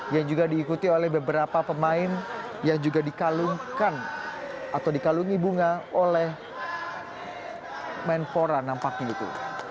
yang juga diikuti oleh beberapa pemain yang juga dikalungkan atau dikalungi bunga oleh menpora nampaknya itu